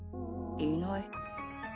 いない